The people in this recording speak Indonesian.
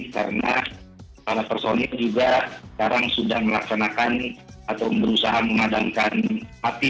karena para personik juga sekarang sudah melaksanakan atau berusaha mengadankan api